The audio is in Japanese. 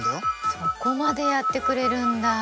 そこまでやってくれるんだ！